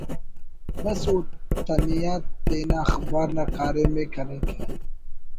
بس اوتنیا تینا اخبار نا کاریم ءِ کریکہ